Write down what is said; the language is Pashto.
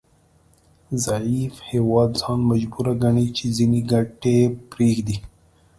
ضعیف هیواد ځان مجبور ګڼي چې ځینې ګټې پریږدي